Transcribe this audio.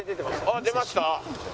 あっ出ました？